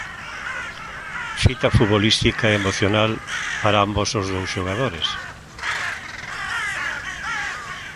Cita futbolística e emocional para ambos os dous xogadores.